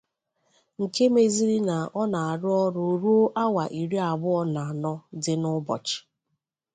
nke mezịrị na ọ na-arụ ọrụ ruo awa iri abụọ na anọ dị n'ụbọchị.